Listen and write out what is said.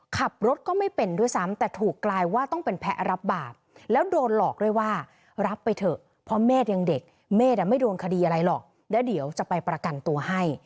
ขับรถก็ไม่เป็นด้วยซ้ำแต่ถูกกลายว่าต้องเป็นแพ้รับบาปแล้วโดนหลอกด้วยว่ารับไปเถอะเพราะเมฆยังเด็กเมฆไม่โดนคดีอะไรหรอกแล้วเดี๋ยวจะไปประกันตัวให้